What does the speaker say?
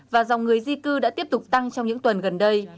và dòng người di cư đã tiếp tục tăng trong những tuần gần đây